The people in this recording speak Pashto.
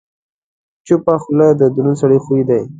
چپه خوله، د دروند سړي خوی دی.